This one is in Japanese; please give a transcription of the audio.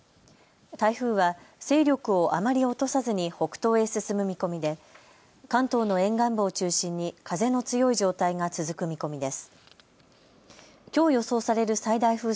台風は勢力をあまり落とさずに北東へ進む見込みで関東の沿岸部を中心に風の強い状態が続く見込みです。